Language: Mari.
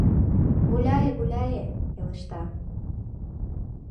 — Гуляе, гуляе, — пелешта.